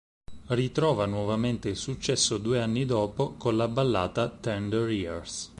Ritrova nuovamente il successo due anni dopo con la ballata "Tender Years".